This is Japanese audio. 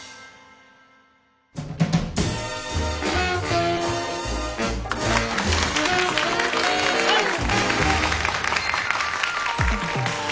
はい！